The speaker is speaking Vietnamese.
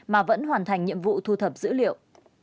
mà vẫn hoàn thành nhiệm vụ thu thập dữ liệu